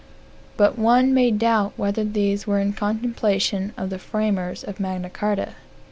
But one may doubt whether these were in contemplation of the framers of Magna Carta.